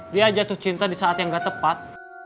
dia jatuh cinta di saat yang gak tepat